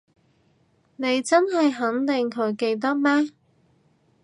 你真係肯定佢記得咩？